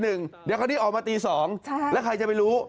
เดี๋ยวคราวนี้ออกมาตี๒แล้วใครจะไปรู้